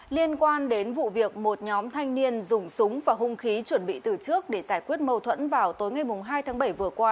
liên quan đến vụ việc một nhóm thanh niên dùng súng và hung khí chuẩn bị từ trước để giải quyết mâu thuẫn vào tối ngày hai tháng bảy vừa qua